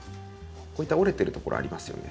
こういった折れてる所ありますよね。